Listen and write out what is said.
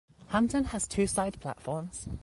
Hampton has two side platforms.